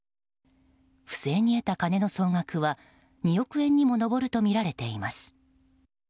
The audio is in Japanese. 不正に得た金の総額は２億円にも上るとみられています。